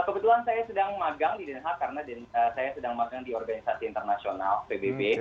kebetulan saya sedang magang di denha karena saya sedang magang di organisasi internasional pbb